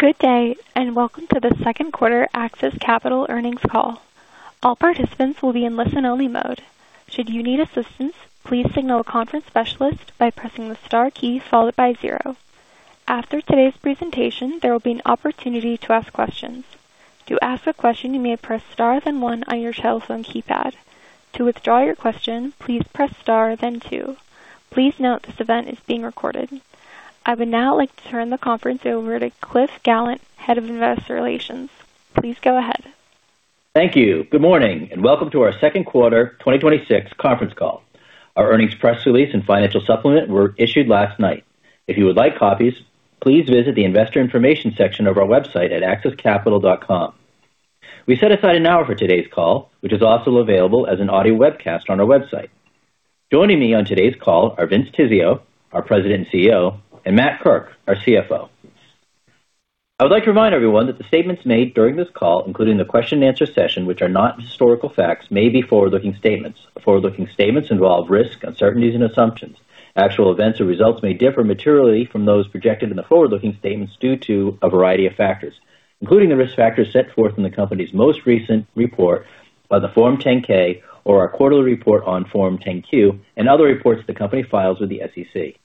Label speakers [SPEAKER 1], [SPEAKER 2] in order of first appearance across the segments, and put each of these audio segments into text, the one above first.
[SPEAKER 1] Good day, and welcome to the Second Quarter AXIS Capital Earnings Call. All participants will be in listen only mode. Should you need assistance, please signal a conference specialist by pressing the star key followed by zero. After today's presentation, there will be an opportunity to ask questions. To ask a question, you may press star then one on your telephone keypad. To withdraw your question, please press star then two. Please note this event is being recorded. I would now like to turn the conference over to Cliff Gallant, Head of Investor Relations. Please go ahead.
[SPEAKER 2] Thank you. Good morning, and welcome to our Second Quarter 2026 Conference Call. Our earnings press release and financial supplement were issued last night. If you would like copies, please visit the investor information section of our website at axiscapital.com. We set aside an hour for today's call, which is also available as an audio webcast on our website. Joining me on today's call are Vince Tizzio, our President and Chief Executive Officer, and Matt Kirk, our Chief Financial Officer. I would like to remind everyone that the statements made during this call, including the question and answer session, which are not historical facts, may be forward-looking statements. Forward-looking statements involve risks, uncertainties, and assumptions. Actual events or results may differ materially from those projected in the forward-looking statements due to a variety of factors, including the risk factors set forth in the company's most recent report on the Form 10-K or our quarterly report on Form 10-Q and other reports the company files with the SEC.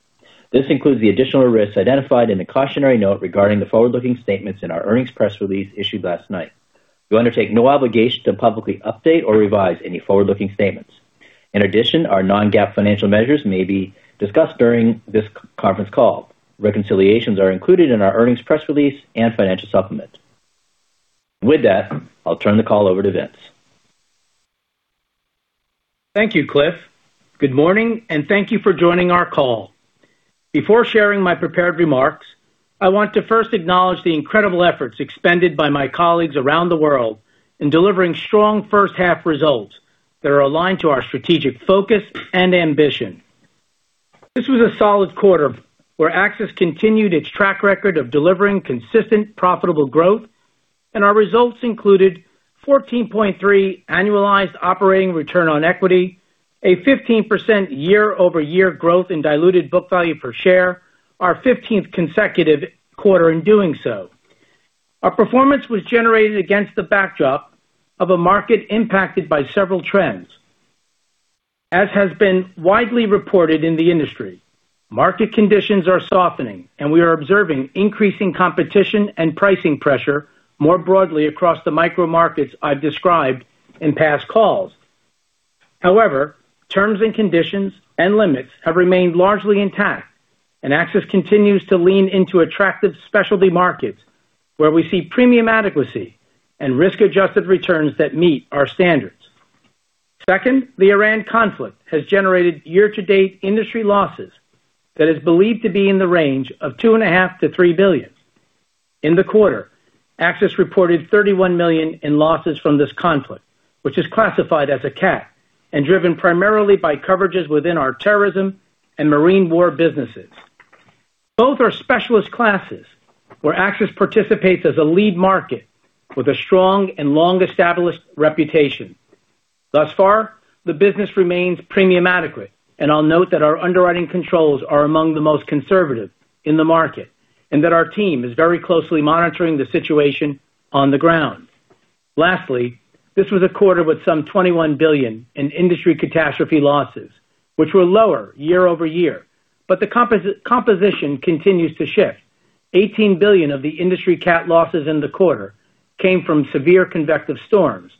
[SPEAKER 2] This includes the additional risks identified in the cautionary note regarding the forward-looking statements in our earnings press release issued last night. We undertake no obligation to publicly update or revise any forward-looking statements. In addition, our non-GAAP financial measures may be discussed during this conference call. Reconciliations are included in our earnings press release and financial supplement. With that, I'll turn the call over to Vince.
[SPEAKER 3] Thank you, Cliff. Good morning, and thank you for joining our call. Before sharing my prepared remarks, I want to first acknowledge the incredible efforts expended by my colleagues around the world in delivering strong first half results that are aligned to our strategic focus and ambition. This was a solid quarter where AXIS continued its track record of delivering consistent profitable growth, and our results included 14.3% annualized operating return on equity, a 15% year-over-year growth in diluted book value per share, our 15th consecutive quarter in doing so. Our performance was generated against the backdrop of a market impacted by several trends. As has been widely reported in the industry, market conditions are softening, and we are observing increasing competition and pricing pressure more broadly across the micro markets I've described in past calls. However, terms and conditions and limits have remained largely intact, AXIS continues to lean into attractive specialty markets where we see premium adequacy and risk-adjusted returns that meet our standards. Second, the Iran conflict has generated year-to-date industry losses that is believed to be in the range of $2.5 billion-$3 billion. In the quarter, AXIS reported $31 million in losses from this conflict, which is classified as a CAT and driven primarily by coverages within our terrorism and marine war businesses. Both are specialist classes where AXIS participates as a lead market with a strong and long-established reputation. Thus far, the business remains premium adequate, I'll note that our underwriting controls are among the most conservative in the market, and that our team is very closely monitoring the situation on the ground. Lastly, this was a quarter with some $21 billion in industry catastrophe losses, which were lower year-over-year. But the composition continues to shift. $18 billion of the industry CAT losses in the quarter came from severe convective storms.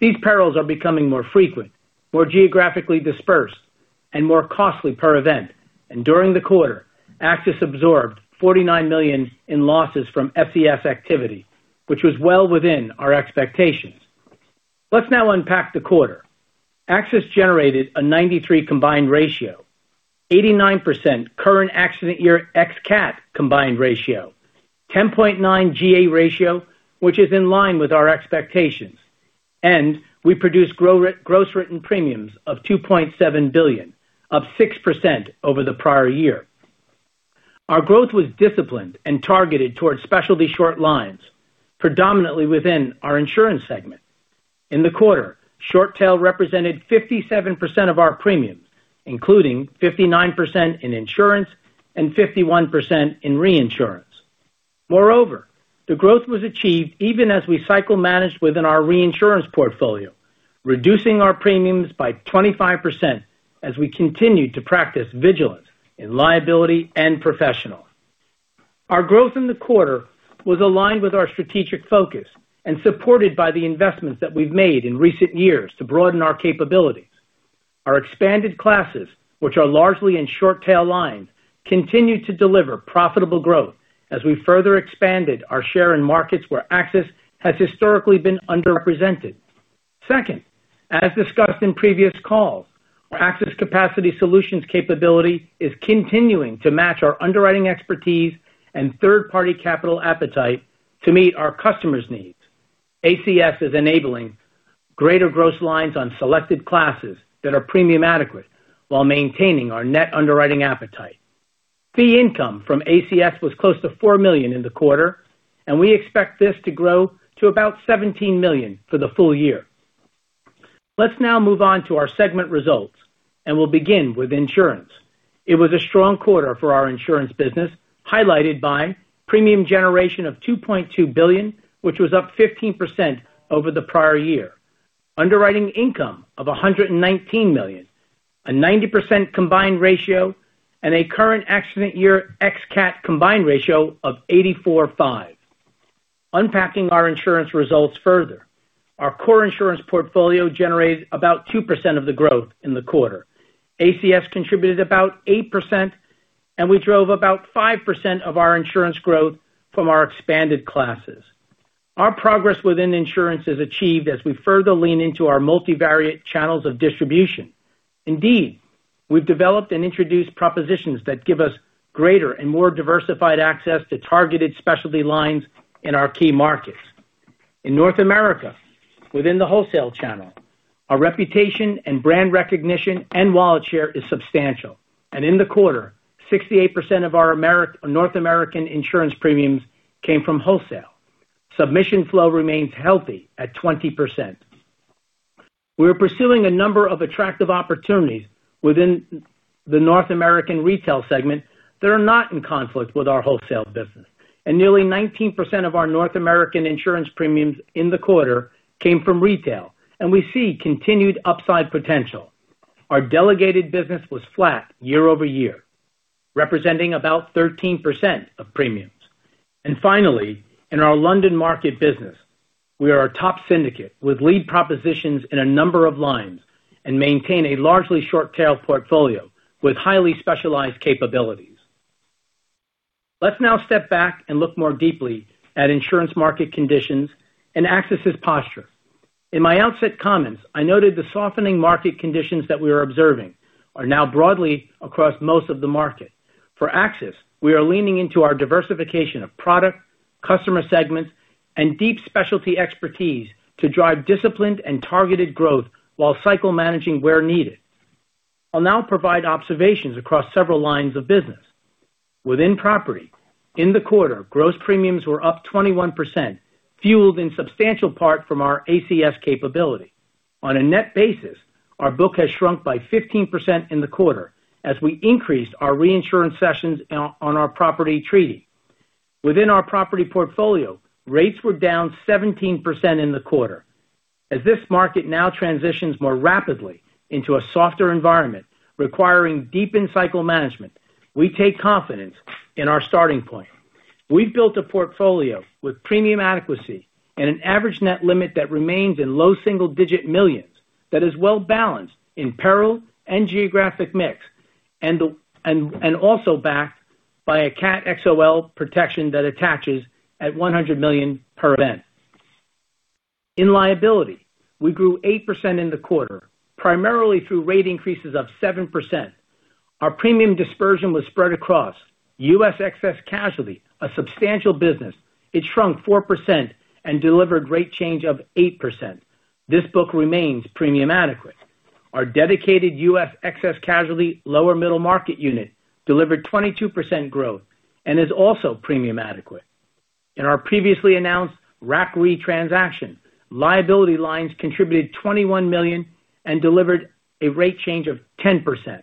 [SPEAKER 3] These perils are becoming more frequent, more geographically dispersed, and more costly per event. During the quarter, AXIS absorbed $49 million in losses from ACS activity, which was well within our expectations. Let's now unpack the quarter. AXIS generated a 93% combined ratio, 89% current accident year ex-CAT combined ratio, 10.9% G&A ratio, which is in line with our expectations. And we produced gross written premiums of $2.7 billion, up 6% over the prior year. Our growth was disciplined and targeted towards specialty short lines, predominantly within our insurance segment. In the quarter, short tail represented 57% of our premiums, including 59% in insurance and 51% in reinsurance. Moreover, the growth was achieved even as we cycle managed within our reinsurance portfolio, reducing our premiums by 25% as we continued to practice vigilance in liability and professional. Our growth in the quarter was aligned with our strategic focus and supported by the investments that we've made in recent years to broaden our capabilities. Our expanded classes, which are largely in short tail lines, continued to deliver profitable growth as we further expanded our share in markets where AXIS has historically been underrepresented. Second, as discussed in previous calls, our AXIS Capacity Solutions capability is continuing to match our underwriting expertise and third-party capital appetite to meet our customers' needs. ACS is enabling greater gross lines on selected classes that are premium adequate while maintaining our net underwriting appetite. Fee income from ACS was close to $4 million in the quarter, and we expect this to grow to about $17 million for the full year. Let's now move on to our segment results, and we'll begin with insurance. It was a strong quarter for our insurance business, highlighted by premium generation of $2.2 billion, which was up 15% over the prior year, underwriting income of $119 million, a 90% combined ratio, and a current accident year x CAT combined ratio of 84.5%. Unpacking our insurance results further, our core insurance portfolio generated about 2% of the growth in the quarter. ACS contributed about 8%, and we drove about 5% of our insurance growth from our expanded classes. Our progress within insurance is achieved as we further lean into our multivariate channels of distribution. Indeed, we've developed and introduced propositions that give us greater and more diversified access to targeted specialty lines in our key markets. In North America, within the wholesale channel, our reputation and brand recognition and wallet share is substantial. In the quarter, 68% of our North American insurance premiums came from wholesale. Submission flow remains healthy at 20%. We are pursuing a number of attractive opportunities within the North American retail segment that are not in conflict with our wholesale business, nearly 19% of our North American insurance premiums in the quarter came from retail, and we see continued upside potential. Our delegated business was flat year-over-year, representing about 13% of premiums. Finally, in our London market business, we are a top syndicate with lead propositions in a number of lines and maintain a largely short-tail portfolio with highly specialized capabilities. Let's now step back and look more deeply at insurance market conditions and AXIS's posture. In my outset comments, I noted the softening market conditions that we are observing are now broadly across most of the market. For AXIS, we are leaning into our diversification of product, customer segments, and deep specialty expertise to drive disciplined and targeted growth while cycle managing where needed. I'll now provide observations across several lines of business. Within property, in the quarter, gross premiums were up 21%, fueled in substantial part from our ACS capability. On a net basis, our book has shrunk by 15% in the quarter as we increased our reinsurance sessions on our property treaty. Within our property portfolio, rates were down 17% in the quarter. As this market now transitions more rapidly into a softer environment requiring deepened cycle management, we take confidence in our starting point. We've built a portfolio with premium adequacy and an average net limit that remains in low single-digit millions that is well-balanced in peril and geographic mix, and also backed by a CAT XOL protection that attaches at $100 million per event. In liability, we grew 8% in the quarter, primarily through rate increases of 7%. Our premium dispersion was spread across U.S. excess casualty, a substantial business. It shrunk 4% and delivered rate change of 8%. This book remains premium adequate. Our dedicated U.S. excess casualty lower middle market unit delivered 22% growth and is also premium adequate. In our previously announced RAC Re transaction, liability lines contributed $21 million and delivered a rate change of 10%.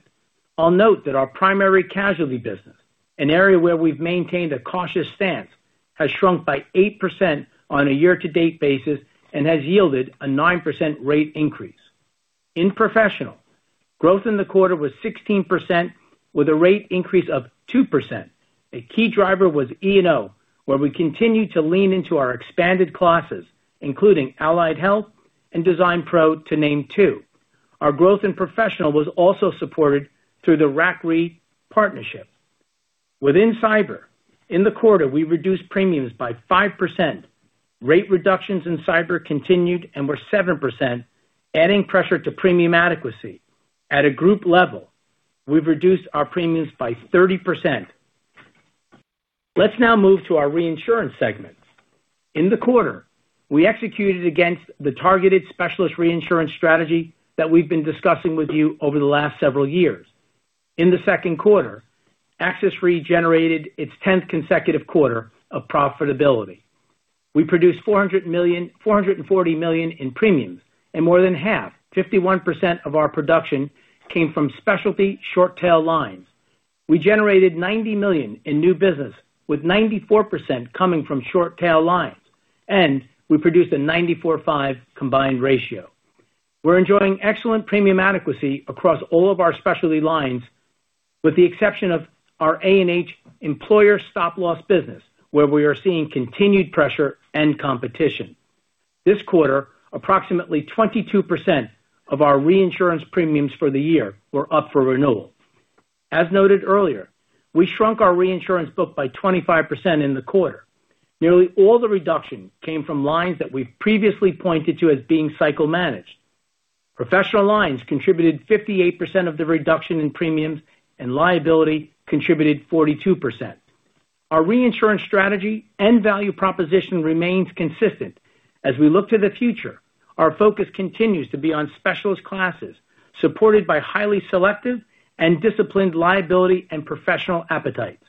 [SPEAKER 3] I'll note that our primary casualty business, an area where we've maintained a cautious stance, has shrunk by 8% on a year-to-date basis and has yielded a 9% rate increase. In professional, growth in the quarter was 16% with a rate increase of 2%. A key driver was E&O, where we continued to lean into our expanded classes, including Allied Health and Design Pro, to name two. Our growth in professional was also supported through the RAC Re partnership. Within cyber, in the quarter, we reduced premiums by 5%. Rate reductions in cyber continued and were 7%, adding pressure to premium adequacy. At a group level, we've reduced our premiums by 30%. Let's now move to our reinsurance segments. In the quarter, we executed against the targeted specialist reinsurance strategy that we've been discussing with you over the last several years. In the second quarter, AXIS Re generated its tenth consecutive quarter of profitability. We produced $440 million in premiums and more than half, 51%, of our production came from specialty short-tail lines. We generated $90 million in new business, with 94% coming from short-tail lines. We produced a 94.5 combined ratio. We're enjoying excellent premium adequacy across all of our specialty lines, with the exception of our A&H employer stop loss business, where we are seeing continued pressure and competition. This quarter, approximately 22% of our reinsurance premiums for the year were up for renewal. As noted earlier, we shrunk our reinsurance book by 25% in the quarter. Nearly all the reduction came from lines that we've previously pointed to as being cycle managed. Professional lines contributed 58% of the reduction in premiums and liability contributed 42%. Our reinsurance strategy and value proposition remains consistent. We look to the future, our focus continues to be on specialist classes supported by highly selective and disciplined liability and professional appetites.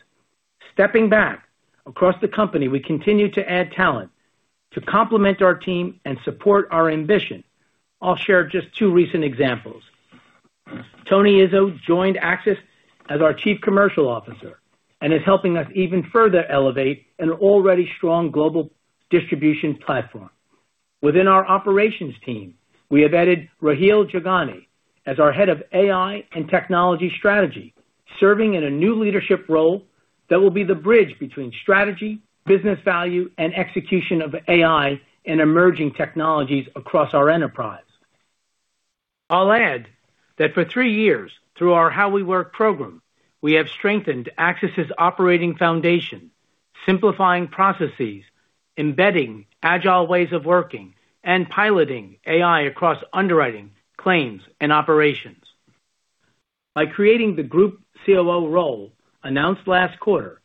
[SPEAKER 3] Stepping back across the company, we continue to add talent to complement our team and support our ambition. I'll share just two recent examples. Anthony Izzo joined AXIS as our Chief Commercial Officer and is helping us even further elevate an already strong global distribution platform. Within our operations team, we have added Rahil Jagani as our Head of AI and Technology Strategy, serving in a new leadership role that will be the bridge between strategy, business value, and execution of AI in emerging technologies across our enterprise. I'll add that for three years through our How We Work program, we have strengthened AXIS' operating foundation, simplifying processes, embedding agile ways of working, and piloting AI across underwriting, claims, and operations. By creating the group Chief Commercial Officer role announced last quarter,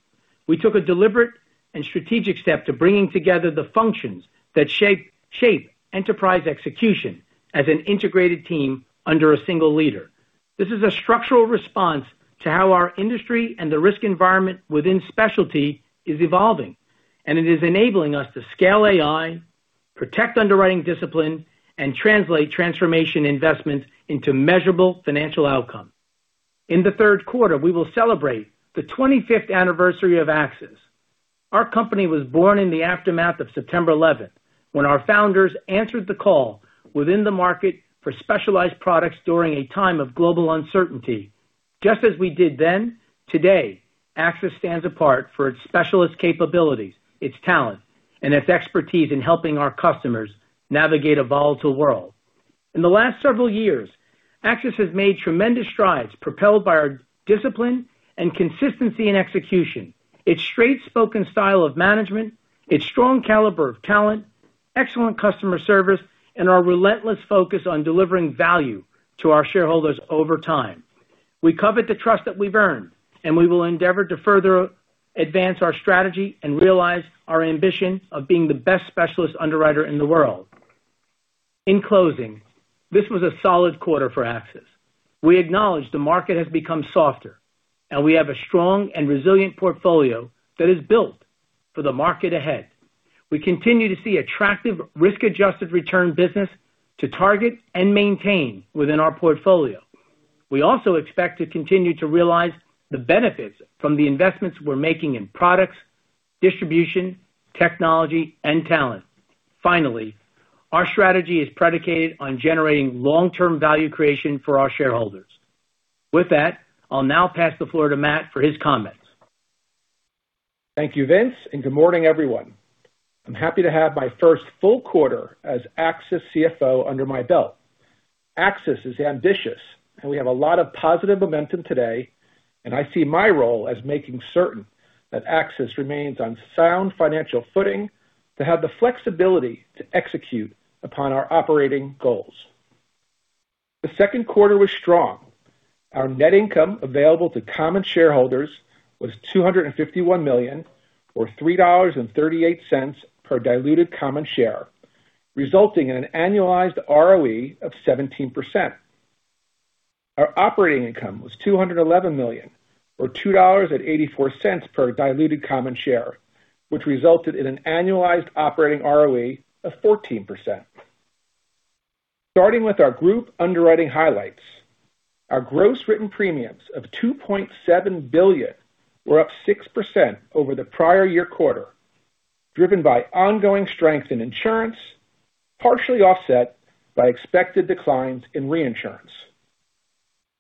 [SPEAKER 3] we took a deliberate and strategic step to bringing together the functions that shape enterprise execution as an integrated team under a single leader. This is a structural response to how our industry and the risk environment within specialty is evolving. It is enabling us to scale AI, protect underwriting discipline, and translate transformation investments into measurable financial outcomes. In the third quarter, we will celebrate the 25th anniversary of AXIS. Our company was born in the aftermath of September 11th, when our founders answered the call within the market for specialized products during a time of global uncertainty. Just as we did then, today, AXIS stands apart for its specialist capabilities, its talent, and its expertise in helping our customers navigate a volatile world. In the last several years, AXIS has made tremendous strides propelled by our discipline and consistency in execution, its straight-spoken style of management, its strong caliber of talent, excellent customer service, and our relentless focus on delivering value to our shareholders over time. We covet the trust that we've earned. We will endeavor to further advance our strategy and realize our ambition of being the best specialist underwriter in the world. In closing, this was a solid quarter for AXIS. We acknowledge the market has become softer. We have a strong and resilient portfolio that is built for the market ahead. We continue to see attractive risk-adjusted return business to target and maintain within our portfolio. We also expect to continue to realize the benefits from the investments we're making in products, distribution, technology, and talent. Finally, our strategy is predicated on generating long-term value creation for our shareholders. With that, I'll now pass the floor to Matt for his comments.
[SPEAKER 4] Thank you, Vince, and good morning, everyone. I'm happy to have my first full quarter as AXIS Chief Financial Officer under my belt. AXIS is ambitious, and we have a lot of positive momentum today, and I see my role as making certain that AXIS remains on sound financial footing to have the flexibility to execute upon our operating goals. The second quarter was strong. Our net income available to common shareholders was $251 million, or $3.38 per diluted common share, resulting in an annualized ROE of 17%. Our operating income was $211 million, or $2.84 per diluted common share, which resulted in an annualized operating ROE of 14%. Starting with our group underwriting highlights, our gross written premiums of $2.7 billion were up 6% over the prior year quarter, driven by ongoing strength in insurance, partially offset by expected declines in reinsurance.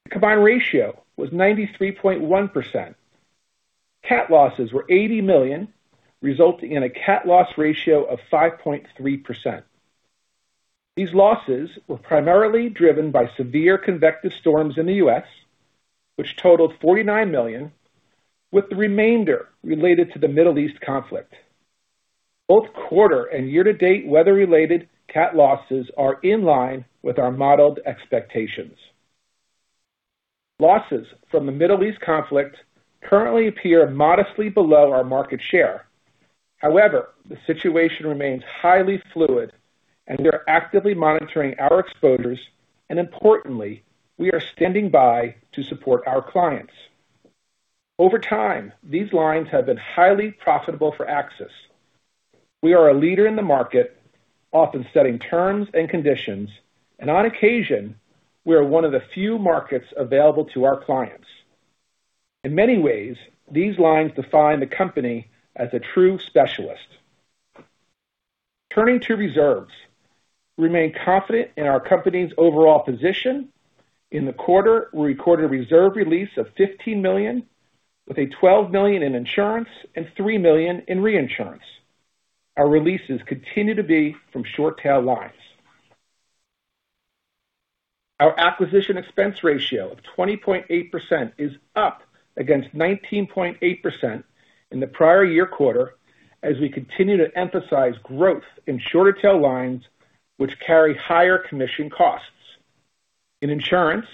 [SPEAKER 4] The combined ratio was 93.1%. CAT losses were $80 million, resulting in a CAT loss ratio of 5.3%. These losses were primarily driven by severe convective storms in the U.S., which totaled $49 million, with the remainder related to the Middle East conflict. Both quarter and year-to-date weather-related CAT losses are in line with our modeled expectations. Losses from the Middle East conflict currently appear modestly below our market share. However, the situation remains highly fluid and we're actively monitoring our exposures, and importantly, we are standing by to support our clients. Over time, these lines have been highly profitable for AXIS. We are a leader in the market, often setting terms and conditions, and on occasion, we are one of the few markets available to our clients. In many ways, these lines define the company as a true specialist. Turning to reserves. We remain confident in our company's overall position. In the quarter, we recorded a reserve release of $15 million, with a $12 million in insurance and $3 million in reinsurance. Our releases continue to be from short-tail lines. Our acquisition expense ratio of 20.8% is up against 19.8% in the prior year quarter as we continue to emphasize growth in shorter tail lines, which carry higher commission costs. In insurance,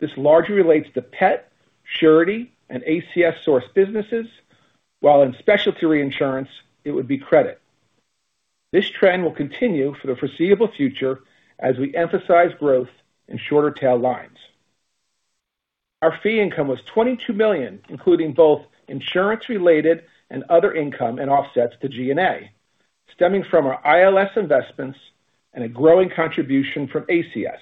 [SPEAKER 4] this largely relates to Pet, Surety, and ACS source businesses, while in specialty reinsurance, it would be credit. This trend will continue for the foreseeable future as we emphasize growth in shorter tail lines. Our fee income was $22 million, including both insurance-related and other income and offsets to G&A stemming from our ILS investments and a growing contribution from ACS.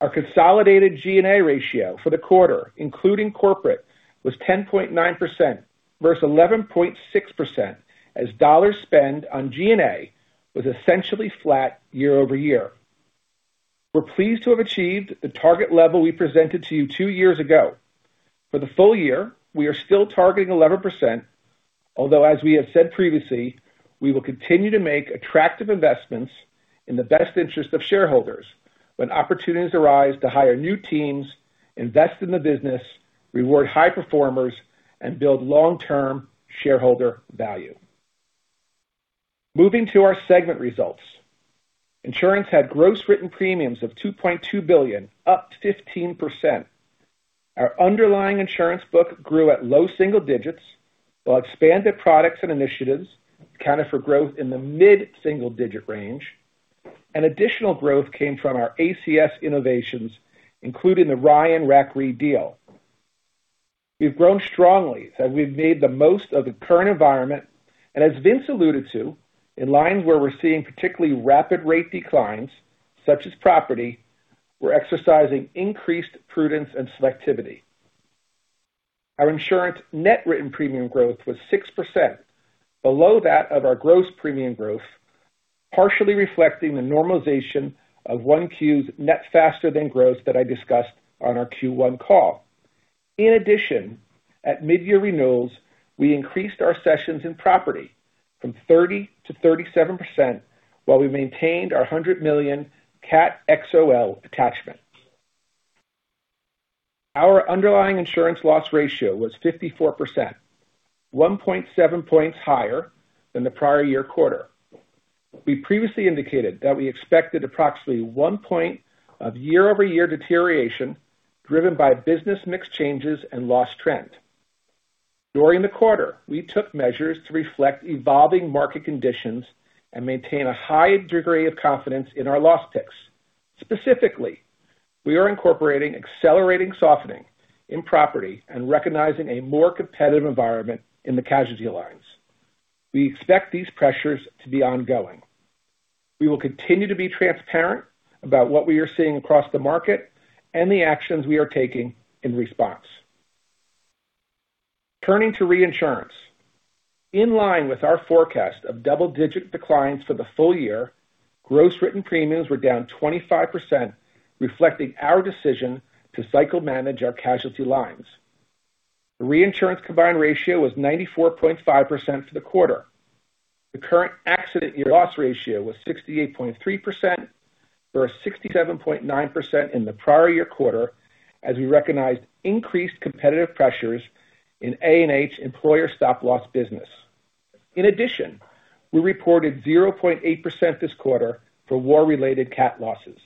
[SPEAKER 4] Our consolidated G&A ratio for the quarter, including corporate, was 10.9% versus 11.6%, as dollars spent on G&A was essentially flat year-over-year. We're pleased to have achieved the target level we presented to you two years ago. For the full year, we are still targeting 11%, although as we have said previously, we will continue to make attractive investments in the best interest of shareholders when opportunities arise to hire new teams, invest in the business, reward high performers, and build long-term shareholder value. Moving to our segment results. Insurance had gross written premiums of $2.2 billion, up 15%. Our underlying insurance book grew at low double digits, while expanded products and initiatives accounted for growth in the mid-single-digit range. Additional growth came from our ACS innovations, including the Ryan RAC Re deal. We've grown strongly as we've made the most of the current environment, and as Vince alluded to, in lines where we're seeing particularly rapid rate declines, such as property, we're exercising increased prudence and selectivity. Our insurance net written premium growth was 6%, below that of our gross premium growth, partially reflecting the normalization of 1Q's net faster than growth that I discussed on our Q1 call. At mid-year renewals, we increased our sessions in property from 30% to 37%, while we maintained our $100 million CAT XOL attachment. Our underlying insurance loss ratio was 54%, 1.7 points higher than the prior year quarter. We previously indicated that we expected approximately one point of year-over-year deterioration driven by business mix changes and loss trend. During the quarter, we took measures to reflect evolving market conditions and maintain a high degree of confidence in our loss picks. Specifically, we are incorporating accelerating softening in property and recognizing a more competitive environment in the casualty lines. We expect these pressures to be ongoing. We will continue to be transparent about what we are seeing across the market and the actions we are taking in response. Turning to reinsurance. In line with our forecast of double-digit declines for the full year, gross written premiums were down 25%, reflecting our decision to cycle manage our casualty lines. The reinsurance combined ratio was 94.5% for the quarter. The current accident year loss ratio was 68.3%, or 67.9% in the prior year quarter, as we recognized increased competitive pressures in A&H employer stop loss business. We reported 0.8% this quarter for war-related CAT losses.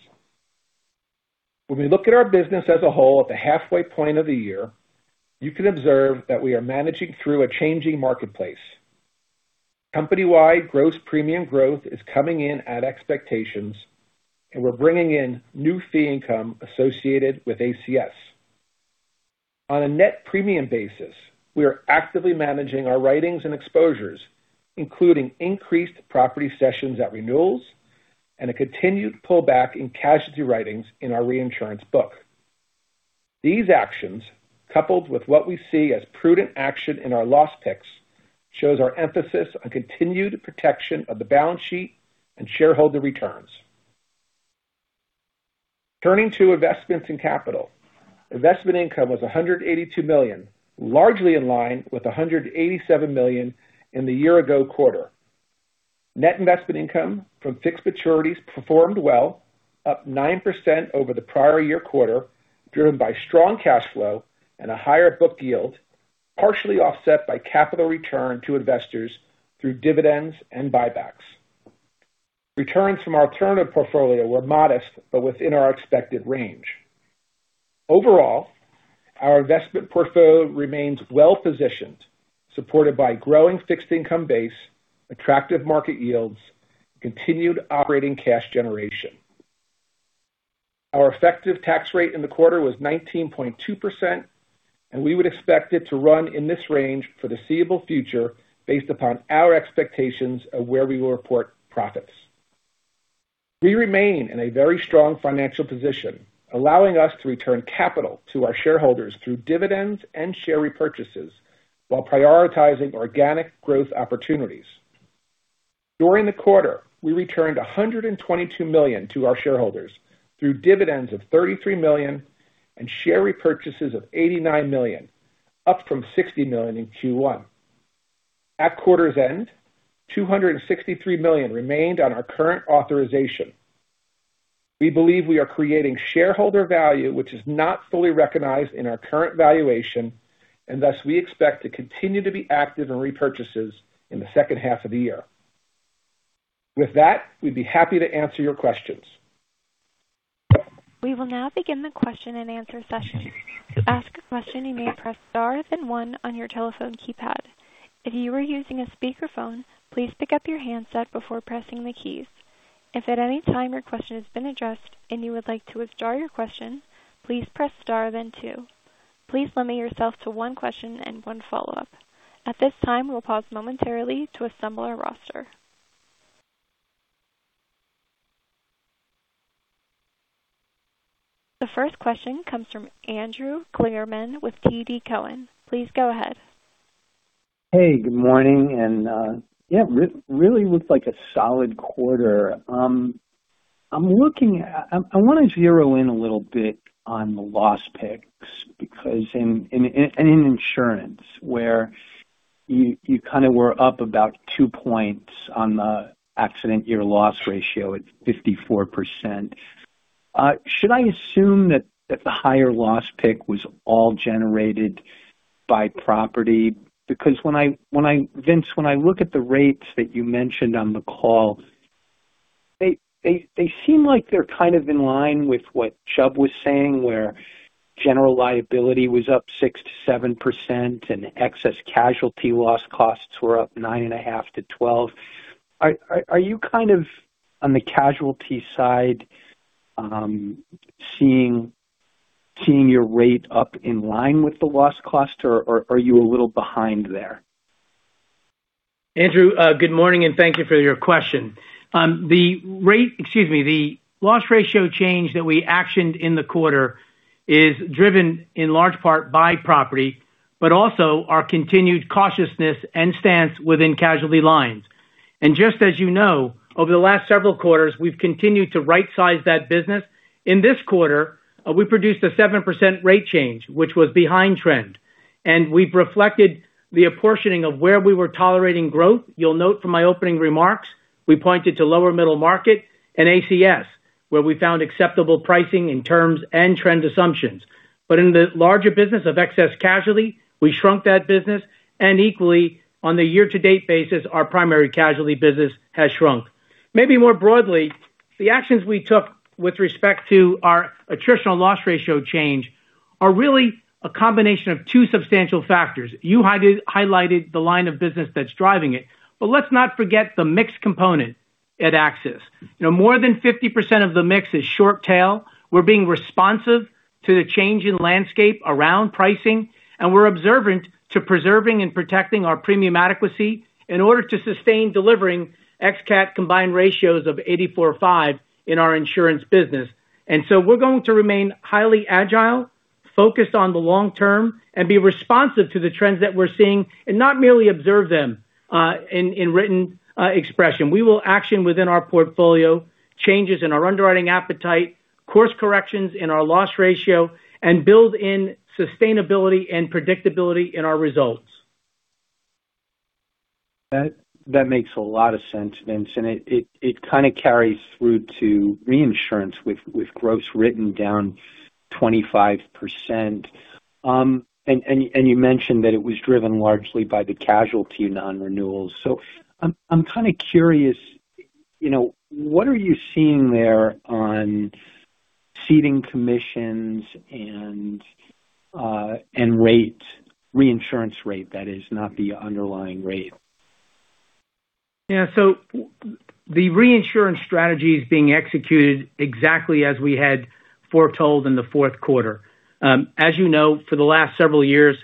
[SPEAKER 4] When we look at our business as a whole at the halfway point of the year, you can observe that we are managing through a changing marketplace. Company-wide gross premium growth is coming in at expectations, and we're bringing in new fee income associated with ACS. On a net premium basis, we are actively managing our writings and exposures, including increased property sessions at renewals and a continued pullback in casualty writings in our reinsurance book. These actions, coupled with what we see as prudent action in our loss picks, shows our emphasis on continued protection of the balance sheet and shareholder returns. Turning to investments in capital. Investment income was $182 million, largely in line with $187 million in the year-ago quarter. Net investment income from fixed maturities performed well, up 9% over the prior year quarter, driven by strong cash flow and a higher book yield, partially offset by capital return to investors through dividends and buybacks. Returns from our alternative portfolio were modest, but within our expected range. Overall, our investment portfolio remains well-positioned, supported by growing fixed income base, attractive market yields, continued operating cash generation. Our effective tax rate in the quarter was 19.2%. We would expect it to run in this range for the foreseeable future based upon our expectations of where we will report profits. We remain in a very strong financial position, allowing us to return capital to our shareholders through dividends and share repurchases while prioritizing organic growth opportunities. During the quarter, we returned $122 million to our shareholders through dividends of $33 million and share repurchases of $89 million, up from $60 million in Q1. At quarter's end, $263 million remained on our current authorization. We believe we are creating shareholder value which is not fully recognized in our current valuation. Thus we expect to continue to be active in repurchases in the second half of the year. With that, we'd be happy to answer your questions.
[SPEAKER 1] We will now begin the question and answer session. To ask a question, you may press star then one on your telephone keypad. If you are using a speakerphone, please pick up your handset before pressing the keys. If at any time your question has been addressed and you would like to withdraw your question, please press star then two. Please limit yourself to one question and one follow-up. At this time, we'll pause momentarily to assemble our roster. The first question comes from Andrew Kligerman with TD Cowen. Please go ahead.
[SPEAKER 5] Hey, good morning. Yeah, really looks like a solid quarter. I want to zero in a little bit on the loss picks because in insurance where you were up about two points on the accident year loss ratio at 54%. Should I assume that the higher loss pick was all generated by property? Because, Vince, when I look at the rates that you mentioned on the call, they seem like they're in line with what Chubb was saying, where general liability was up 6%-7% and excess casualty loss costs were up 9.5%-12%. Are you on the casualty side, seeing your rate up in line with the loss cost or are you a little behind there?
[SPEAKER 3] Andrew, good morning. Thank you for your question. The loss ratio change that we actioned in the quarter is driven in large part by property, also our continued cautiousness and stance within casualty lines. Just as you know, over the last several quarters, we've continued to right-size that business. In this quarter, we produced a 7% rate change, which was behind trend. We've reflected the apportioning of where we were tolerating growth. You'll note from my opening remarks, we pointed to lower middle market and ACS, where we found acceptable pricing in terms and trend assumptions. In the larger business of excess casualty, we shrunk that business. Equally, on the year-to-date basis, our primary casualty business has shrunk. Maybe more broadly, the actions we took with respect to our attritional loss ratio change are really a combination of two substantial factors. You highlighted the line of business that's driving it. But let's not forget the mix component at AXIS. More than 50% of the mix is short tail. We're being responsive to the change in landscape around pricing, and we're observant to preserving and protecting our premium adequacy in order to sustain delivering ex-CAT combined ratios of 84.5 in our insurance business. We're going to remain highly agile, focused on the long term, and be responsive to the trends that we're seeing and not merely observe them in written expression. We will action within our portfolio changes in our underwriting appetite, course corrections in our loss ratio, and build in sustainability and predictability in our results.
[SPEAKER 5] That makes a lot of sense, Vince, and it carries through to reinsurance with gross written down 25%. You mentioned that it was driven largely by the casualty non-renewals. I'm curious, what are you seeing there on ceding commissions and reinsurance rate, that is, not the underlying rate?
[SPEAKER 3] Yeah. The reinsurance strategy is being executed exactly as we had foretold in the fourth quarter. As you know, for the last several years,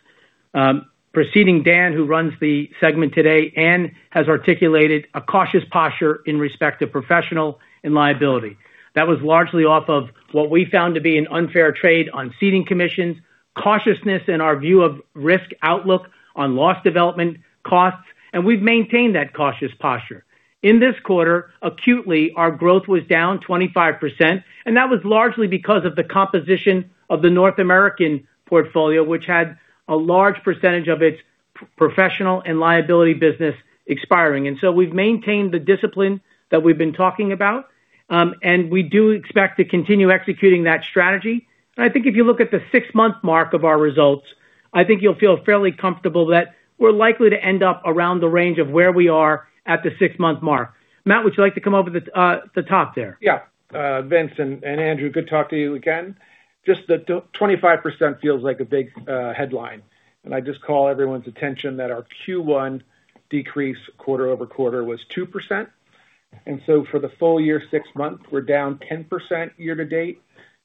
[SPEAKER 3] preceding Dan, who runs the segment today, Ann has articulated a cautious posture in respect to professional and liability. That was largely off of what we found to be an unfair trade on ceding commissions, cautiousness in our view of risk outlook on loss development costs, and we've maintained that cautious posture. In this quarter, acutely, our growth was down 25%, and that was largely because of the composition of the North American portfolio, which had a large percentage of its professional and liability business expiring. We've maintained the discipline that we've been talking about, and we do expect to continue executing that strategy. I think if you look at the six-month mark of our results, I think you'll feel fairly comfortable that we're likely to end up around the range of where we are at the six-month mark. Matt, would you like to come up at the top there?
[SPEAKER 4] Vince and Andrew, good to talk to you again. That 25% feels like a big headline. I just call everyone's attention that our Q1 decrease quarter-over-quarter was 2%. For the full year, six months, we're down 10% year-to-date,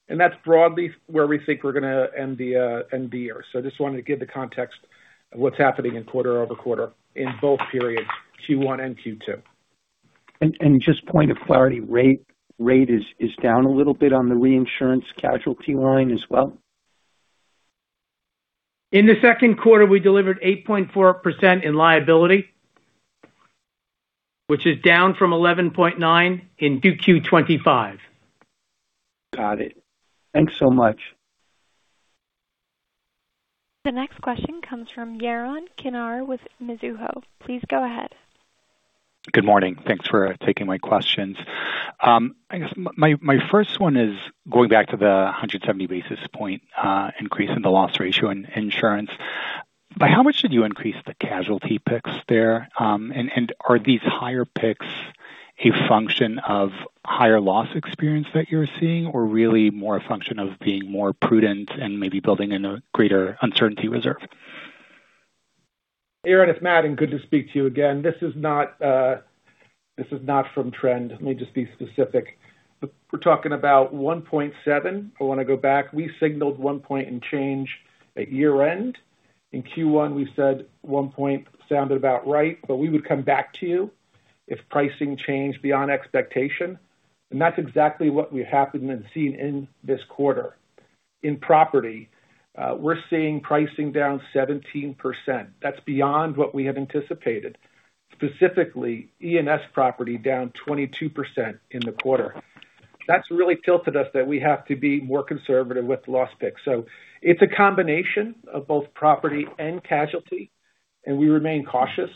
[SPEAKER 4] and that's broadly where we think we're going to end the year. I just wanted to give the context of what's happening in quarter-over-quarter in both periods, Q1 and Q2.
[SPEAKER 5] Just point of clarity, rate is down a little bit on the reinsurance casualty line as well?
[SPEAKER 3] In the second quarter, we delivered 8.4% in liability, which is down from 11.9% in Q2 2025.
[SPEAKER 5] Got it. Thanks so much.
[SPEAKER 1] The next question comes from Yaron Kinar with Mizuho. Please go ahead.
[SPEAKER 6] Good morning. Thanks for taking my questions. I guess my first one is going back to the 170 basis point increase in the loss ratio in insurance. By how much did you increase the casualty picks there? Are these higher picks a function of higher loss experience that you're seeing, or really more a function of being more prudent and maybe building in a greater uncertainty reserve?
[SPEAKER 4] Yaron, it's Matt, good to speak to you again. This is not from trend. Let me just be specific. We're talking about 1.7. I want to go back. We signaled one point and change at year-end. In Q1, we said one point sounded about right, we would come back to you if pricing changed beyond expectation. That's exactly what we have been then seeing in this quarter. In property, we're seeing pricing down 17%. That's beyond what we had anticipated. Specifically, E&S property down 22% in the quarter. That's really tilted us that we have to be more conservative with loss picks. It's a combination of both property and casualty, we remain cautious,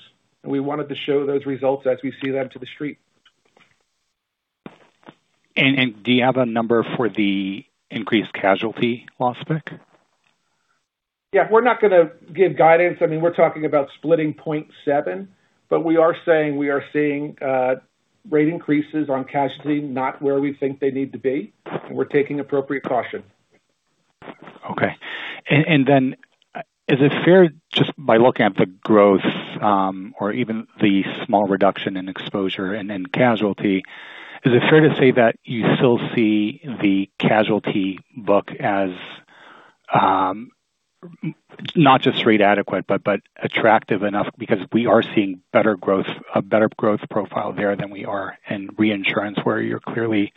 [SPEAKER 4] we wanted to show those results as we see them to The Street.
[SPEAKER 6] Do you have a number for the increased casualty loss pick?
[SPEAKER 4] Yeah. We're not going to give guidance. We're talking about splitting 0.7. We are saying we are seeing rate increases on casualty, not where we think they need to be, and we're taking appropriate caution.
[SPEAKER 6] Okay. Just by looking at the growth or even the small reduction in exposure and in casualty, is it fair to say that you still see the casualty book as not just rate adequate, but attractive enough because we are seeing a better growth profile there than we are in reinsurance, where you're clearly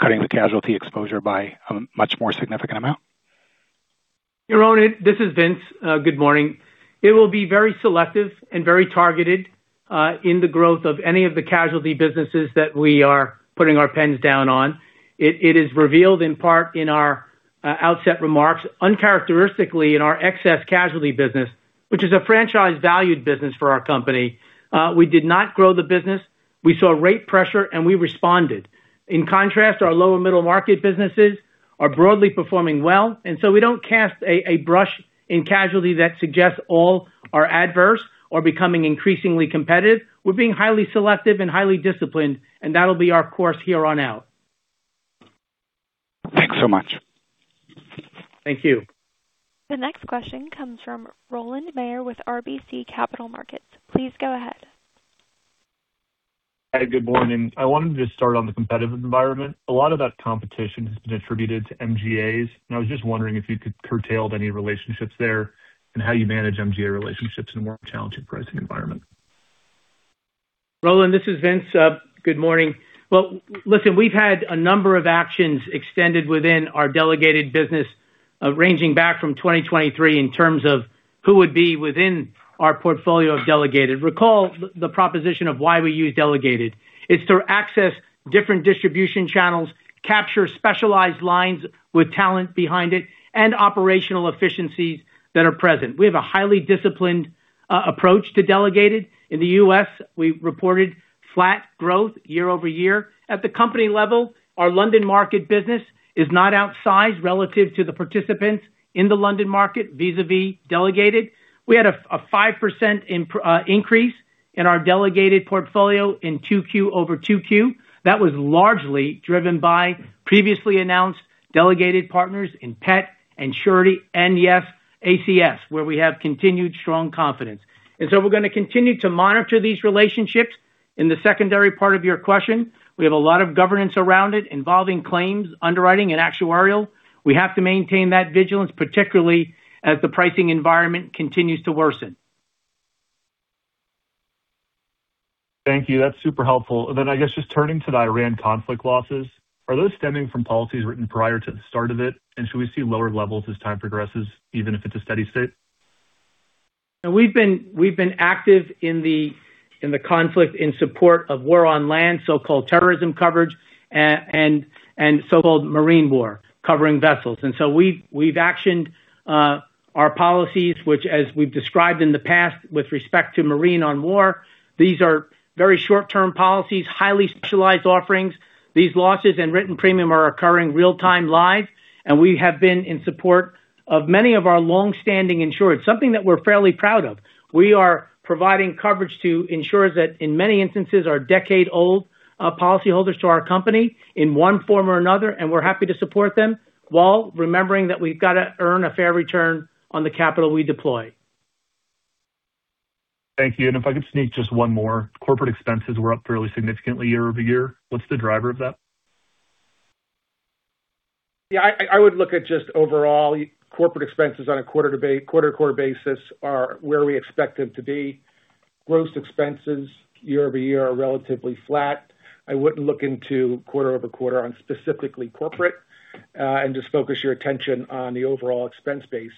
[SPEAKER 6] cutting the casualty exposure by a much more significant amount?
[SPEAKER 3] Yaron, this is Vince. Good morning. It will be very selective and very targeted in the growth of any of the casualty businesses that we are putting our pens down on. It is revealed in part in our outset remarks, uncharacteristically in our excess casualty business, which is a franchise valued business for our company. We did not grow the business. We saw rate pressure, and we responded. In contrast, our low and middle market businesses are broadly performing well. We don't cast a brush in casualty that suggests all are adverse or becoming increasingly competitive. We're being highly selective and highly disciplined, and that'll be our course here on out.
[SPEAKER 6] Thanks so much.
[SPEAKER 3] Thank you.
[SPEAKER 1] The next question comes from Rowland Mayor with RBC Capital Markets. Please go ahead.
[SPEAKER 7] Hi, good morning. I wanted to start on the competitive environment. A lot of that competition has been attributed to MGAs, and I was just wondering if you could curtail any relationships there and how you manage MGA relationships in a more challenging pricing environment.
[SPEAKER 3] Rowland, this is Vince. Good morning. Well, listen, we've had a number of actions extended within our delegated business, ranging back from 2023 in terms of who would be within our portfolio of delegated. Recall the proposition of why we use delegated. It's to access different distribution channels, capture specialized lines with talent behind it, and operational efficiencies that are present. We have a highly disciplined approach to delegated. In the U.S., we reported flat growth year-over-year. At the company level, our London market business is not outsized relative to the participants in the London market vis-a-vis delegated. We had a 5% increase in our delegated portfolio in 2Q-over-2Q. That was largely driven by previously announced delegated partners in PET and Surety NDF ACS, where we have continued strong confidence. We're going to continue to monitor these relationships. In the secondary part of your question, we have a lot of governance around it involving claims, underwriting, and actuarial. We have to maintain that vigilance, particularly as the pricing environment continues to worsen.
[SPEAKER 7] Thank you. That's super helpful. I guess, just turning to the Iran conflict losses, are those stemming from policies written prior to the start of it? Should we see lower levels as time progresses, even if it's a steady state?
[SPEAKER 3] We've been active in the conflict in support of war on land, so-called terrorism coverage, and so-called marine war, covering vessels. We've actioned our policies, which as we've described in the past, with respect to marine on war, these are very short-term policies, highly specialized offerings. These losses and written premium are occurring real-time live, we have been in support of many of our long-standing insureds, something that we're fairly proud of. We are providing coverage to insurers that, in many instances, are decade-old policyholders to our company in one form or another, we're happy to support them while remembering that we've got to earn a fair return on the capital we deploy.
[SPEAKER 7] Thank you. If I could sneak just one more. Corporate expenses were up fairly significantly year-over-year. What's the driver of that?
[SPEAKER 4] Yeah, I would look at just overall corporate expenses on a quarter-over-quarter basis are where we expect them to be. Gross expenses year-over-year are relatively flat. I wouldn't look into quarter-over-quarter on specifically corporate, and just focus your attention on the overall expense base,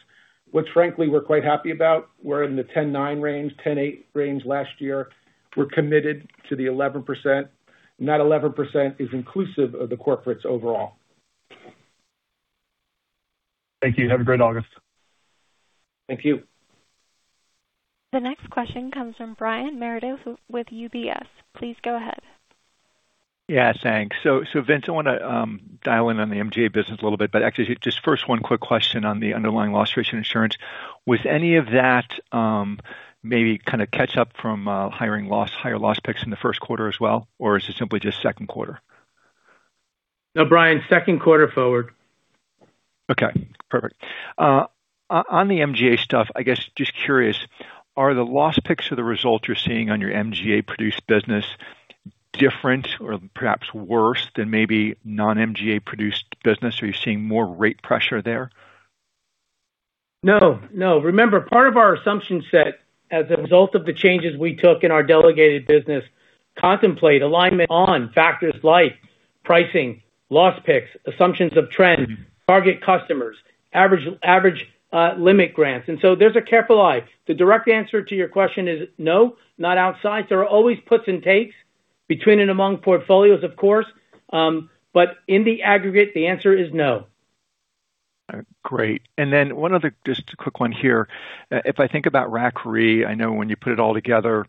[SPEAKER 4] which frankly, we're quite happy about. We're in the 10.9% range, 10.8% range last year. We're committed to the 11%, and that 11% is inclusive of the corporates overall.
[SPEAKER 7] Thank you. Have a great August.
[SPEAKER 4] Thank you.
[SPEAKER 1] The next question comes from Brian Meredith with UBS. Please go ahead.
[SPEAKER 8] Thanks. Vince, I want to dial in on the MGA business a little bit, but actually just first one quick question on the underlying loss ratio insurance. Was any of that maybe kind of catch up from higher loss picks in the first quarter as well? Or is it simply just second quarter?
[SPEAKER 3] No, Brian, second quarter forward.
[SPEAKER 8] Okay, perfect. On the MGA stuff, I guess just curious, are the loss picks or the results you're seeing on your MGA-produced business different or perhaps worse than maybe non-MGA produced business? Are you seeing more rate pressure there?
[SPEAKER 3] No. Remember, part of our assumption set as a result of the changes we took in our delegated business contemplate alignment on factors like pricing, loss picks, assumptions of trend, target customers, average limit grants. There's a careful eye. The direct answer to your question is no, not outside. There are always puts and takes between and among portfolios, of course, but in the aggregate, the answer is no.
[SPEAKER 8] Then one other just quick one here. If I think about RAC Re, I know when you put it all together,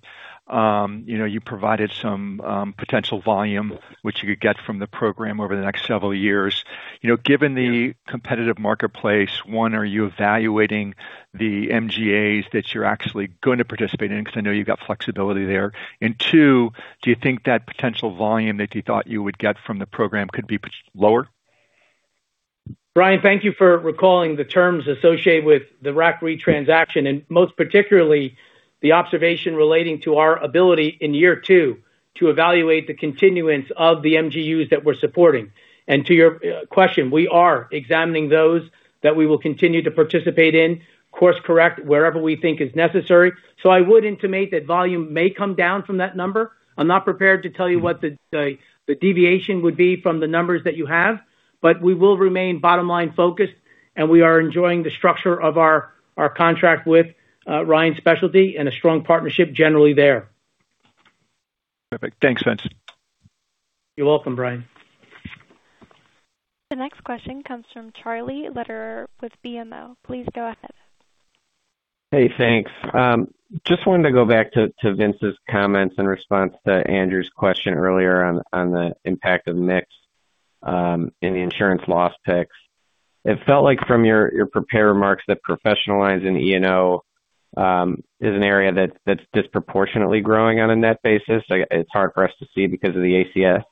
[SPEAKER 8] you provided some potential volume which you could get from the program over the next several years. Given the competitive marketplace, one, are you evaluating the MGAs that you're actually going to participate in? Because I know you've got flexibility there. Two, do you think that potential volume that you thought you would get from the program could be lower?
[SPEAKER 3] Brian, thank you for recalling the terms associated with the RAC Re transaction, and most particularly, the observation relating to our ability in year two to evaluate the continuance of the MGUs that we're supporting. To your question, we are examining those that we will continue to participate in, course correct wherever we think is necessary. I would intimate that volume may come down from that number. I'm not prepared to tell you what the deviation would be from the numbers that you have, but we will remain bottom line focused, and we are enjoying the structure of our contract with Ryan Specialty and a strong partnership generally there.
[SPEAKER 8] Perfect. Thanks, Vince.
[SPEAKER 3] You're welcome, Brian.
[SPEAKER 1] The next question comes from Charlie Lederer with BMO. Please go ahead.
[SPEAKER 9] Hey, thanks. Just wanted to go back to Vince's comments in response to Andrew's question earlier on the impact of mix in the insurance loss picks. It felt like from your prepared remarks that professional lines in E&O is an area that's disproportionately growing on a net basis. It's hard for us to see because of the ACS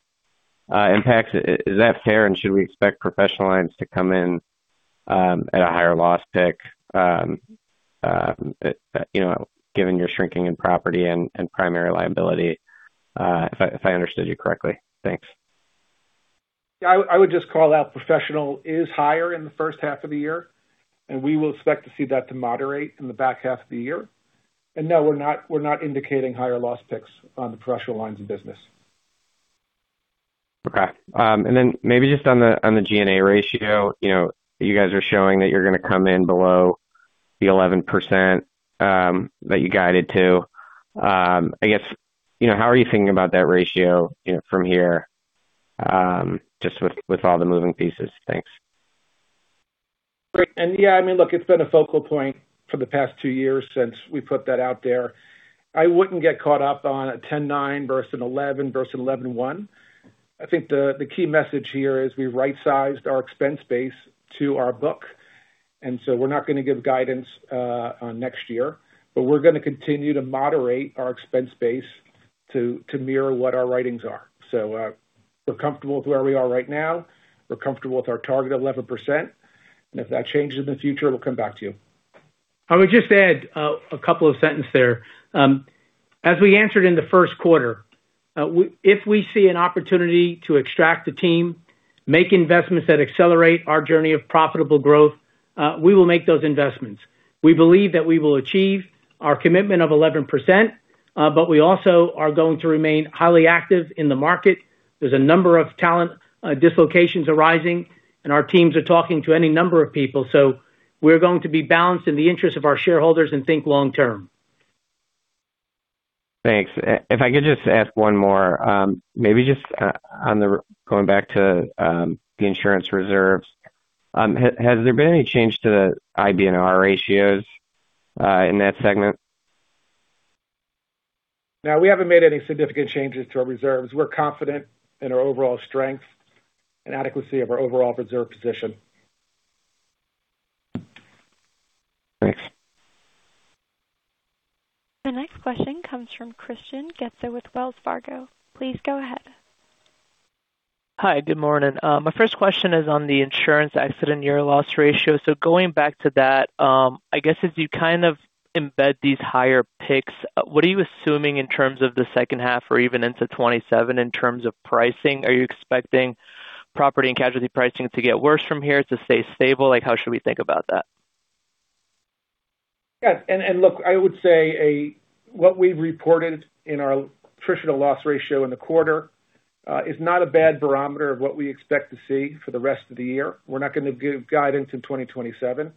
[SPEAKER 9] impacts. Is that fair? Should we expect professional lines to come in at a higher loss pick given your shrinking in property and primary liability, if I understood you correctly? Thanks
[SPEAKER 4] Yeah, I would just call out professional is higher in the first half of the year, we will expect to see that to moderate in the back half of the year. No, we're not indicating higher loss picks on the professional lines of business.
[SPEAKER 9] Okay. Then maybe just on the G&A ratio, you guys are showing that you're going to come in below the 11% that you guided to. I guess, how are you thinking about that ratio from here? Just with all the moving pieces. Thanks.
[SPEAKER 4] Great. Yeah, look, it's been a focal point for the past two years since we put that out there. I wouldn't get caught up on a 10.9 versus an 11 versus an 11.1. I think the key message here is we right-sized our expense base to our book, and so we're not going to give guidance on next year, but we're going to continue to moderate our expense base to mirror what our writings are. We're comfortable with where we are right now. We're comfortable with our target of 11%, and if that changes in the future, we'll come back to you.
[SPEAKER 3] I would just add a couple of sentence there. As we answered in the first quarter, if we see an opportunity to extract the team, make investments that accelerate our journey of profitable growth, we will make those investments. We believe that we will achieve our commitment of 11%, but we also are going to remain highly active in the market. There's a number of talent dislocations arising, and our teams are talking to any number of people. We're going to be balanced in the interest of our shareholders and think long term.
[SPEAKER 9] Thanks. If I could just ask one more, maybe just going back to the insurance reserves. Has there been any change to the IBNR ratios in that segment?
[SPEAKER 4] No, we haven't made any significant changes to our reserves. We're confident in our overall strength and adequacy of our overall reserve position.
[SPEAKER 9] Thanks.
[SPEAKER 1] The next question comes from Hristian Getsov with Wells Fargo. Please go ahead.
[SPEAKER 10] Hi. Good morning. My first question is on the insurance accident year loss ratio. Going back to that, I guess as you kind of embed these higher picks, what are you assuming in terms of the second half or even into 2027 in terms of pricing? Are you expecting property and casualty pricing to get worse from here, to stay stable? How should we think about that?
[SPEAKER 4] Yeah. Look, I would say what we've reported in our traditional loss ratio in the quarter is not a bad barometer of what we expect to see for the rest of the year. We're not going to give guidance in 2027.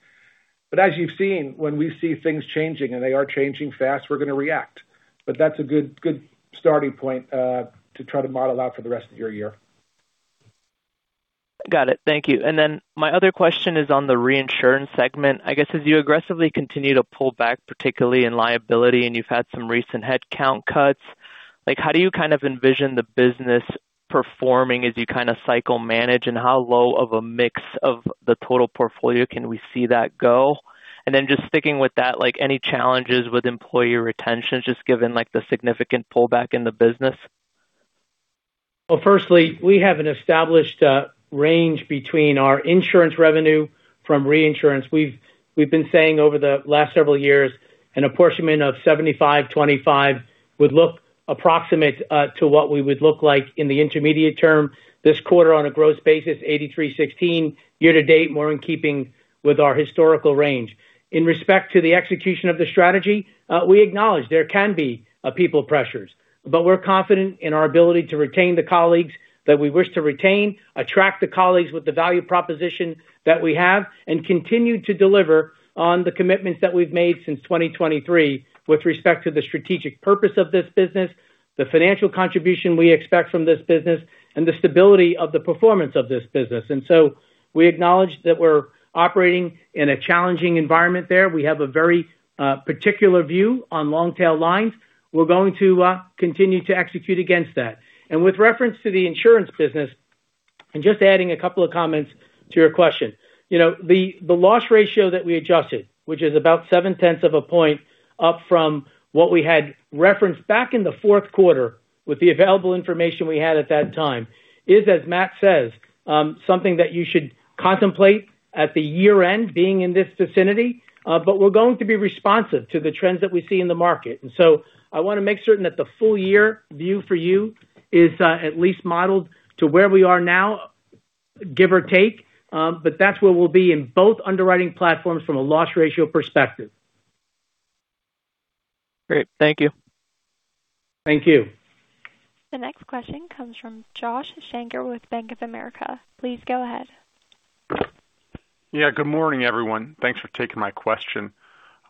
[SPEAKER 4] As you've seen, when we see things changing, and they are changing fast, we're going to react. That's a good starting point to try to model out for the rest of your year.
[SPEAKER 10] Got it. Thank you. My other question is on the reinsurance segment. I guess as you aggressively continue to pull back, particularly in liability, you've had some recent headcount cuts, how do you kind of envision the business performing as you cycle manage? How low of a mix of the total portfolio can we see that go? Just sticking with that, any challenges with employee retention, just given the significant pullback in the business?
[SPEAKER 3] Well, firstly, we have an established range between our insurance revenue from reinsurance. We've been saying over the last several years an apportionment of 75/25 would look approximate to what we would look like in the intermediate term this quarter on a gross basis, 83/16 year to date, more in keeping with our historical range. In respect to the execution of the strategy, we acknowledge there can be people pressures. We're confident in our ability to retain the colleagues that we wish to retain, attract the colleagues with the value proposition that we have, and continue to deliver on the commitments that we've made since 2023 with respect to the strategic purpose of this business, the financial contribution we expect from this business, and the stability of the performance of this business. We acknowledge that we're operating in a challenging environment there. We have a very particular view on long-tail lines. We're going to continue to execute against that. With reference to the insurance business, and just adding a couple of comments to your question. The loss ratio that we adjusted, which is about 7/10 of a point up from what we had referenced back in the fourth quarter with the available information we had at that time, is, as Matt says, something that you should contemplate at the year-end being in this vicinity. We're going to be responsive to the trends that we see in the market. I want to make certain that the full year view for you is at least modeled to where we are now, give or take. That's where we'll be in both underwriting platforms from a loss ratio perspective.
[SPEAKER 10] Great. Thank you.
[SPEAKER 3] Thank you.
[SPEAKER 1] The next question comes from Josh Shanker with Bank of America. Please go ahead.
[SPEAKER 11] Yeah, good morning, everyone. Thanks for taking my question.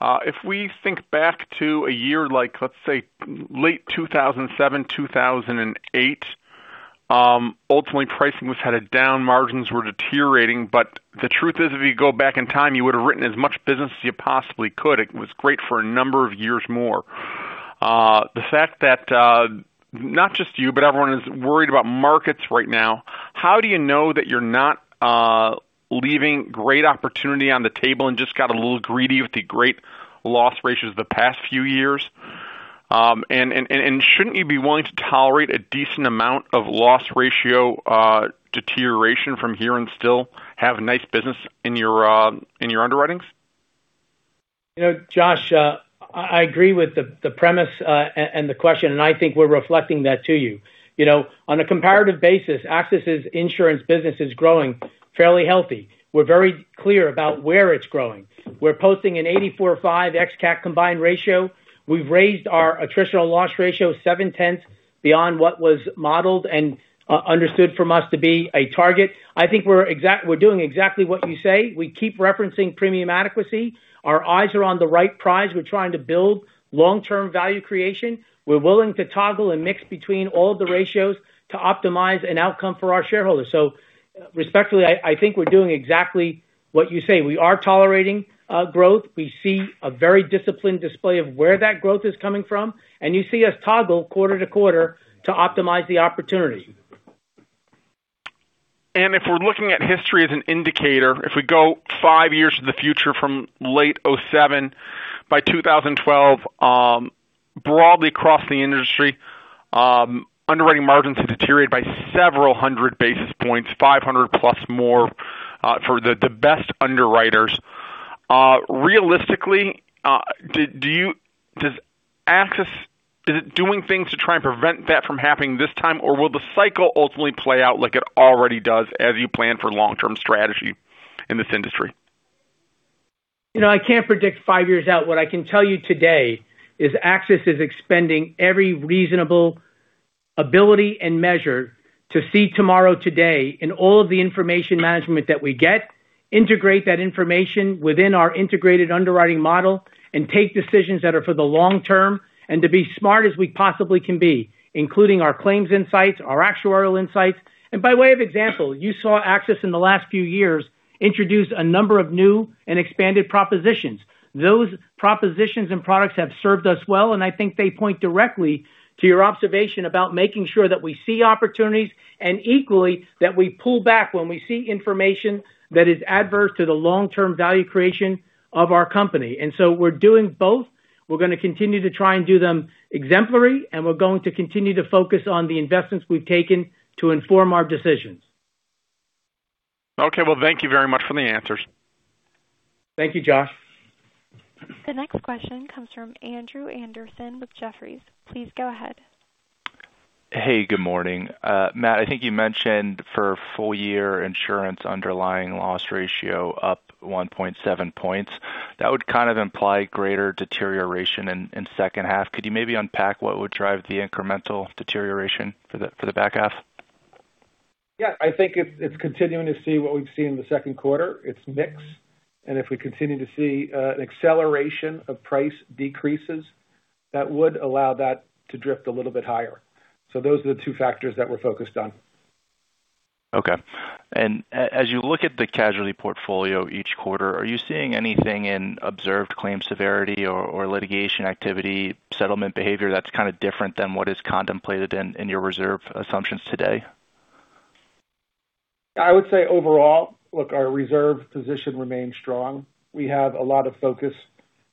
[SPEAKER 11] If we think back to a year like, let's say, late 2007, 2008, ultimately pricing was headed down, margins were deteriorating. The truth is, if you go back in time, you would've written as much business as you possibly could. It was great for a number of years more. The fact that not just you, but everyone is worried about markets right now, how do you know that you're not leaving great opportunity on the table and just got a little greedy with the great loss ratios the past few years? Shouldn't you be willing to tolerate a decent amount of loss ratio deterioration from here and still have nice business in your underwritings?
[SPEAKER 3] Josh, I agree with the premise and the question, and I think we're reflecting that to you. On a comparative basis, AXIS' insurance business is growing fairly healthy. We're very clear about where it's growing. We're posting an 84/5 ex-CAT combined ratio. We've raised our attritional loss ratio 7/10 beyond what was modeled and understood from us to be a target. I think we're doing exactly what you say. We keep referencing premium adequacy. Our eyes are on the right prize. We're trying to build long-term value creation. Respectfully, I think we're doing exactly what you say. We are tolerating growth. We see a very disciplined display of where that growth is coming from, and you see us toggle quarter-to-quarter to optimize the opportunity.
[SPEAKER 11] If we're looking at history as an indicator, if we go five years to the future from late 2007, by 2012, broadly across the industry, underwriting margins have deteriorated by several hundred basis points, 500+ more for the best underwriters. Realistically, does AXIS, is it doing things to try and prevent that from happening this time, or will the cycle ultimately play out like it already does as you plan for long-term strategy in this industry?
[SPEAKER 3] I can't predict five years out. What I can tell you today is AXIS is expending every reasonable ability and measure to see tomorrow today in all of the information management that we get, integrate that information within our integrated underwriting model, and take decisions that are for the long term and to be smart as we possibly can be, including our claims insights, our actuarial insights. By way of example, you saw AXIS in the last few years introduce a number of new and expanded propositions. Those propositions and products have served us well, and I think they point directly to your observation about making sure that we see opportunities, and equally, that we pull back when we see information that is adverse to the long-term value creation of our company. So we're doing both. We're going to continue to try and do them exemplary. We're going to continue to focus on the investments we've taken to inform our decisions.
[SPEAKER 11] Okay. Well, thank you very much for the answers.
[SPEAKER 3] Thank you, Josh.
[SPEAKER 1] The next question comes from Andrew Andersen with Jefferies. Please go ahead.
[SPEAKER 12] Hey, good morning. Matt, I think you mentioned for full year insurance underlying loss ratio up 1.7 points. That would kind of imply greater deterioration in second half. Could you maybe unpack what would drive the incremental deterioration for the back half?
[SPEAKER 4] Yeah, I think it's continuing to see what we've seen in the second quarter. It's mix, and if we continue to see an acceleration of price decreases. That would allow that to drift a little bit higher. Those are the two factors that we're focused on.
[SPEAKER 12] Okay. As you look at the casualty portfolio each quarter, are you seeing anything in observed claim severity or litigation activity, settlement behavior, that's kind of different than what is contemplated in your reserve assumptions today?
[SPEAKER 4] I would say overall, look, our reserve position remains strong. We have a lot of focus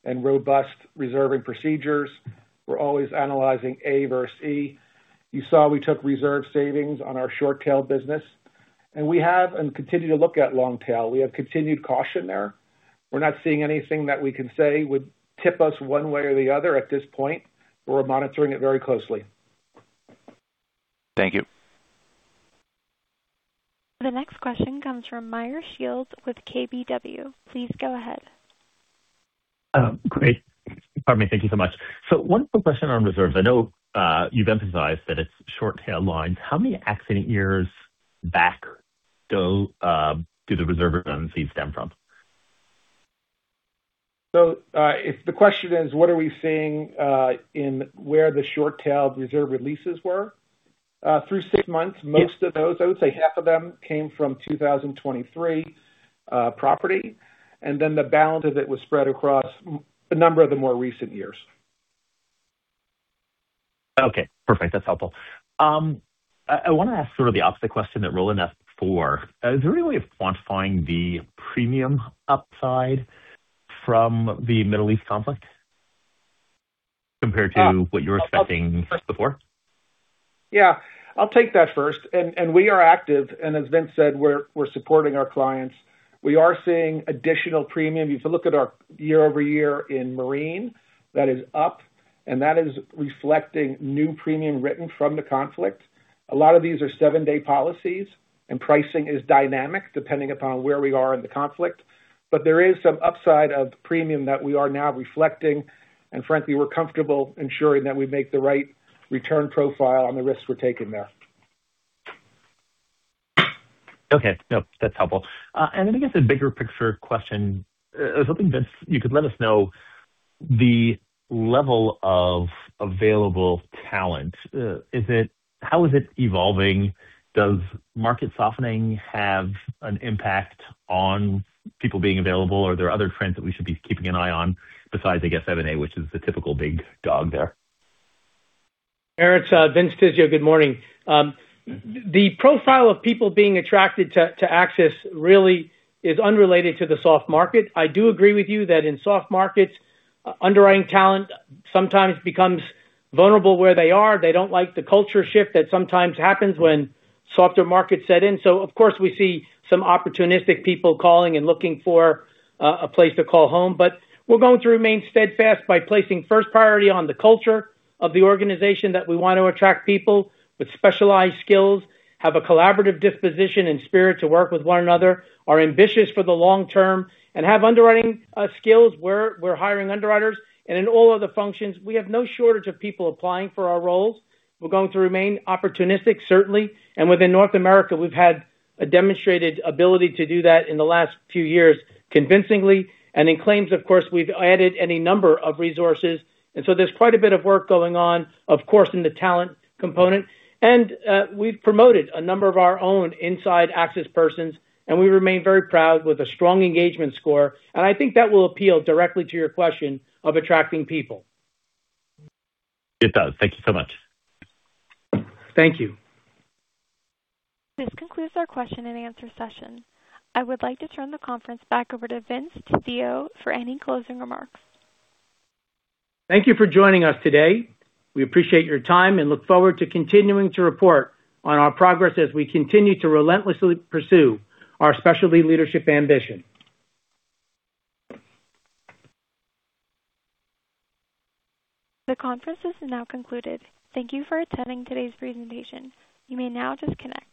[SPEAKER 4] and robust reserving procedures. We're always analyzing A vs. E. You saw we took reserve savings on our short-tail business, and we have and continue to look at long tail. We have continued caution there. We're not seeing anything that we can say would tip us one way or the other at this point, but we're monitoring it very closely.
[SPEAKER 12] Thank you.
[SPEAKER 1] The next question comes from Meyer Shields with KBW. Please go ahead.
[SPEAKER 13] Great. Pardon me. Thank you so much. One quick question on reserves. I know, you've emphasized that it's short-tail lines. How many accident years back do the reserve releases stem from?
[SPEAKER 4] If the question is, what are we seeing in where the short-tail reserve releases were? Through six months most of those, I would say half of them, came from 2023 property, the balance of it was spread across a number of the more recent years.
[SPEAKER 13] Okay, perfect. That's helpful. I want to ask sort of the opposite question that Rowland asked before. Is there any way of quantifying the premium upside from the Middle East conflict compared to what you were expecting before?
[SPEAKER 4] Yeah. I'll take that first. We are active, as Vince said, we're supporting our clients. We are seeing additional premium. If you look at our year-over-year in marine, that is up, that is reflecting new premium written from the conflict. A lot of these are seven-day policies, pricing is dynamic depending upon where we are in the conflict. There is some upside of the premium that we are now reflecting, and frankly, we're comfortable ensuring that we make the right return profile on the risks we're taking there.
[SPEAKER 13] Okay. No, that's helpful. I guess a bigger picture question. I was hoping, Vince, you could let us know the level of available talent. How is it evolving? Does market softening have an impact on people being available? Are there other trends that we should be keeping an eye on besides, I guess, M&A, which is the typical big dog there?
[SPEAKER 3] Meyer, Vince Tizzio. Good morning. The profile of people being attracted to AXIS really is unrelated to the soft market. I do agree with you that in soft markets, underwriting talent sometimes becomes vulnerable where they are. They don't like the culture shift that sometimes happens when softer markets set in. Of course, we see some opportunistic people calling and looking for a place to call home. We're going to remain steadfast by placing first priority on the culture of the organization that we want to attract people with specialized skills, have a collaborative disposition and spirit to work with one another, are ambitious for the long term, and have underwriting skills. We're hiring underwriters. In all other functions, we have no shortage of people applying for our roles. We're going to remain opportunistic, certainly.
[SPEAKER 8] Within North America, we've had a demonstrated ability to do that in the last few years convincingly. In claims, of course, we've added any number of resources. There's quite a bit of work going on, of course, in the talent component. We've promoted a number of our own inside AXIS persons, and we remain very proud with a strong engagement score. I think that will appeal directly to your question of attracting people.
[SPEAKER 13] It does. Thank you so much.
[SPEAKER 3] Thank you.
[SPEAKER 1] This concludes our question and answer session. I would like to turn the conference back over to Vince Tizzio for any closing remarks.
[SPEAKER 3] Thank you for joining us today. We appreciate your time and look forward to continuing to report on our progress as we continue to relentlessly pursue our specialty leadership ambition.
[SPEAKER 1] The conference is now concluded. Thank you for attending today's presentation. You may now disconnect.